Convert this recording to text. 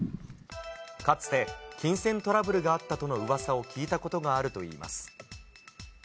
かつて、金銭トラブルがあったとのうわさを聞いたことがあるといいます。